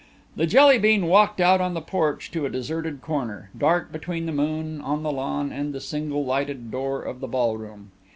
The Jelly bean walked out on the porch to a deserted corner, dark between the moon on the lawn and the single lighted door of the ballroom.